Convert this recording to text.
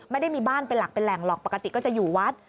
ไม่ได้มีบ้านเป็นหลักเป็นแหล่งหรอกปกติก็จะอยู่วัด